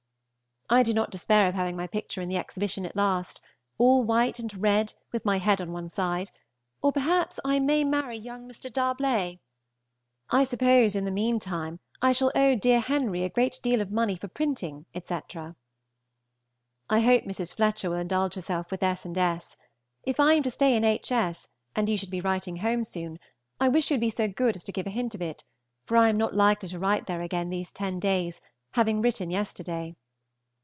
I do not despair of having my picture in the Exhibition at last, all white and red, with my head on one side; or perhaps I may marry young Mr. D'Arblay. I suppose in the mean time I shall owe dear Henry a great deal of money for printing, etc. I hope Mrs. Fletcher will indulge herself with S. and S. If I am to stay in H. S., and if you should be writing home soon, I wish you would be so good as to give a hint of it, for I am not likely to write there again these ten days, having written yesterday.